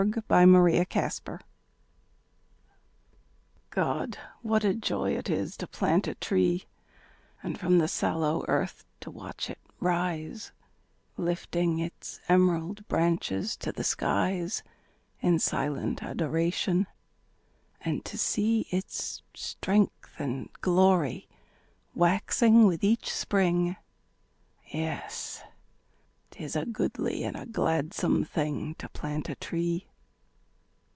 GO PLANT A TREE God, what a joy it is to plant a tree, And from the sallow earth to watch it rise, Lifting its emerald branches to the skies In silent adoration; and to see Its strength and glory waxing with each spring. Yes, 'tis a goodly, and a gladsome thing To plant a tree.